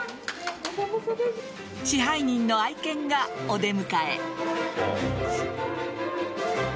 支配人の愛犬がお出迎え。